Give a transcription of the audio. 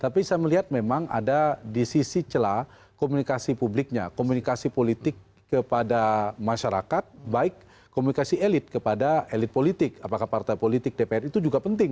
tapi saya melihat memang ada di sisi celah komunikasi publiknya komunikasi politik kepada masyarakat baik komunikasi elit kepada elit politik apakah partai politik dpr itu juga penting